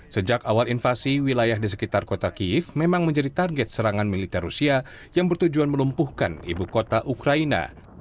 sejak awal invasi wilayah di sekitar kota kiev memang menjadi target serangan militer rusia yang bertujuan melumpuhkan ibu kota ukraina